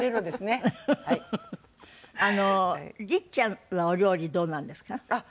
あのりっちゃんはお料理どうなんですか？